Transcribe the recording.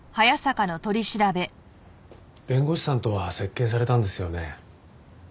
弁護士さんとは接見されたんですよね？